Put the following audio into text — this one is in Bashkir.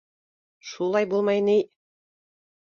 Шулай булмай ни!